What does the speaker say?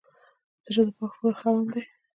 زړه د پاک فکر خاوند دی.